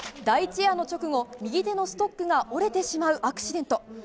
第１エアの直後右手のストックが折れてしまうアクシデント。